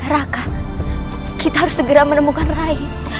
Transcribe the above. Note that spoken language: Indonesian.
raka kita harus segera menemukan rai